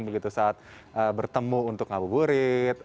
begitu saat bertemu untuk ngabur gurit